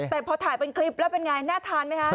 แต่พอถ่ายเป็นคลิปแล้วเป็นไงน่าทานไหมคะ